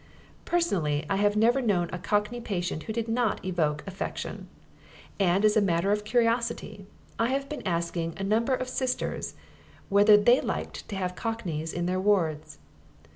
Personally I have never known a cockney patient who did not evoke affection; and as a matter of curiosity I have been asking a number of Sisters whether they liked to have cockneys in their wards.